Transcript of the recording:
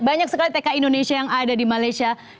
banyak sekali tki indonesia yang ada di malaysia